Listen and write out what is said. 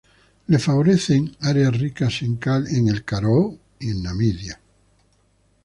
Le favorecen áreas ricas en cal en el Karoo y en Namibia.